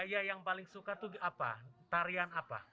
gaya yang paling suka tuh apa tarian apa